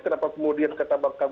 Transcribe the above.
kenapa kemudian kita bakal